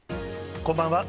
こんばんは。